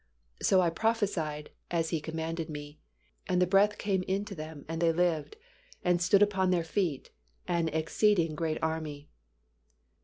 So I prophesied as He commanded me, and the breath came into them, and they lived, and stood upon their feet, an exceeding great army" (cf.